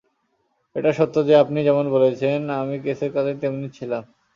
এটা সত্য যে আপনি যেমন বলেছেন আমি কেসের কাজে তেমনি ছিলাম।